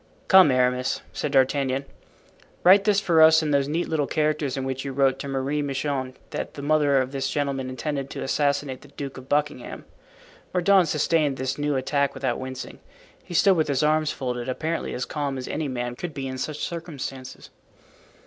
"Come, Aramis," said D'Artagnan, "write this for us in those neat little characters in which you wrote to Marie Michon that the mother of this gentleman intended to assassinate the Duke of Buckingham." Mordaunt sustained this new attack without wincing. He stood with his arms folded, apparently as calm as any man could be in such circumstances.